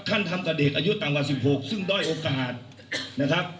ท่านทำแต่เด็กอายุต่ำกว่า๑๖ซึ่งด้อยโอกาสนะครับ